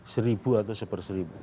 seribu atau seberseribu